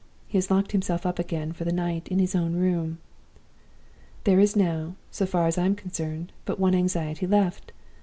He has locked himself up again for the night, in his own room. "There is now so far as I am concerned but one anxiety left.